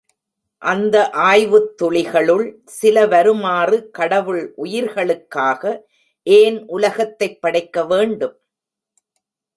அந்த ஆய்வுத் துளிகளுள் சில வருமாறு கடவுள் உயிர்களுக்காக ஏன் உலகத்தைப் படைக்க வேண்டும்?